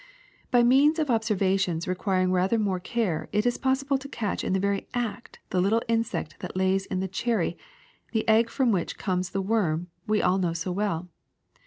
By means of observations requiring rather more care it is possible to catch in the very act the little insect that lays in the cherry the egg from which comes the worm we all know so well.